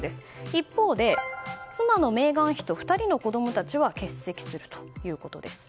一方で、妻のメーガン妃と２人の子供たちは欠席するということです。